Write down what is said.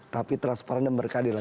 tapi transparan dan berkeadilan